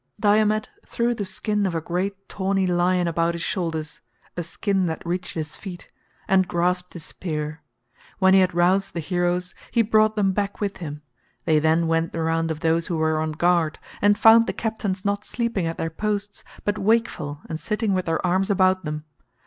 Diomed threw the skin of a great tawny lion about his shoulders—a skin that reached his feet—and grasped his spear. When he had roused the heroes, he brought them back with him; they then went the round of those who were on guard, and found the captains not sleeping at their posts but wakeful and sitting with their arms about them.